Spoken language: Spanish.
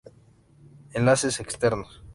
Enlaces externos.